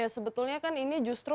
sebetulnya kan ini justru